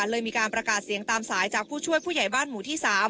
เลยมีการประกาศเสียงตามสายจากผู้ช่วยผู้ใหญ่บ้านหมู่ที่๓